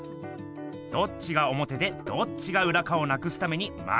どっちがおもてでどっちがうらかをなくすためにまるくなってるんす。